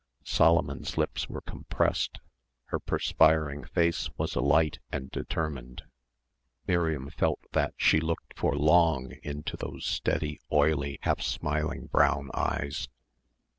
Solomon's lips were compressed, her perspiring face was alight and determined. Miriam felt that she looked for long into those steady, oily half smiling brown eyes.